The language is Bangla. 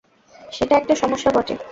সেটা একটা সমস্যা বটে।